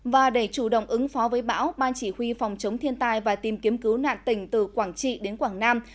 và để chủ động ứng phó với bão ban chỉ huy phòng chống thiên tai và tìm kiếm cứu nạn tỉnh từ quảng trị đến quảng nam